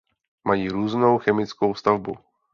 Mají různou chemickou stavbu.